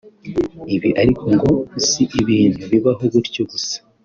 Ibi ariko ngo si ibintu bibaho gutyo gusa